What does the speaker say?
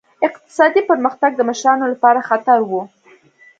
اقتصادي پرمختګ د مشرانو لپاره خطر و.